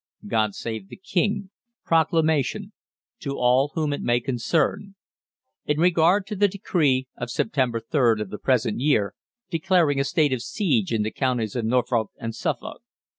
GOD SAVE THE KING. PROCLAMATION. TO ALL WHOM IT MAY CONCERN. In regard to the Decree of September 3rd of the present year, declaring a state of siege in the Counties of Norfolk and Suffolk.